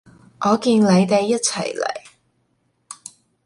我見你哋一齊嚟